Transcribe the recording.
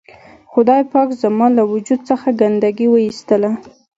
خدای پاک زما له وجود څخه ګندګي و اېستله.